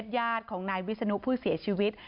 ญาติของนายวิศนุผู้เสียชีวิต